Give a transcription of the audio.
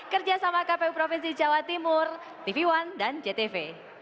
kerjasama kpu provinsi jawa timur tv one dan jtv